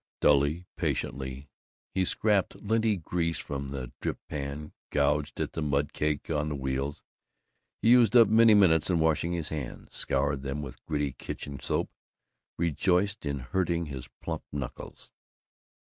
Dully, patiently, he scraped linty grease from the drip pan, gouged at the mud caked on the wheels. He used up many minutes in washing his hands; scoured them with gritty kitchen soap; rejoiced in hurting his plump knuckles.